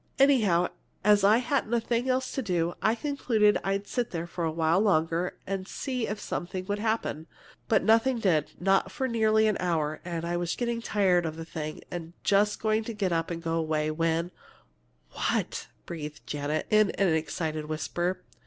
Anyhow, as I hadn't anything else to do, I concluded I'd sit there for a while longer and see if something else would happen. But nothing did not for nearly an hour; and I was getting tired of the thing and just going to get up and go away when " "What?" breathed Janet, in an excited whisper.